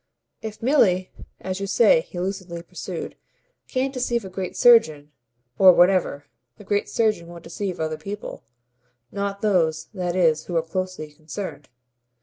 If Milly, as you say," he lucidly pursued, "can't deceive a great surgeon, or whatever, the great surgeon won't deceive other people not those, that is, who are closely concerned.